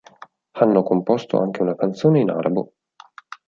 Hanno composto anche una canzone in arabo.